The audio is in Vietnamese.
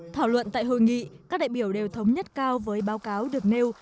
thảo luận tại hội nghị các đại biểu đều thống nhất cao với báo cáo được nêu